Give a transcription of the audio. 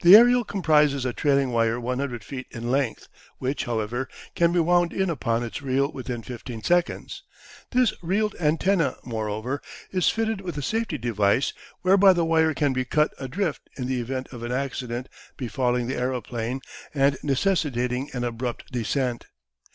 The aerial comprises a trailing wire 100 feet in length, which, however, can be wound in upon its reel within 15 seconds. This reeled antenna, moreover, is fitted with a safety device whereby the wire can be cut adrift in the event of an accident befalling the aeroplane and necessitating an abrupt descent.